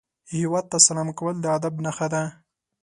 هیواد ته سلام کول د ادب نښه ده